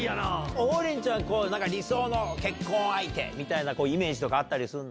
王林ちゃんは、理想の結婚相手みたいなイメージとかあったりするの？